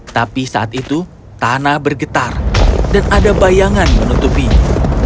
tapi saat itu tanah bergetar dan ada bayangan menutupinya